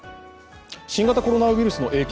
新型コロナウイルスの影響